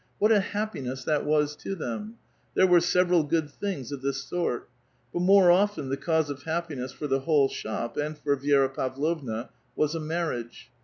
What a hap piness that was to them ! There were several good things of this sort. But more often the cause of happiness for the whole shop, and for Vi6ra Pavlovna, was a marriage.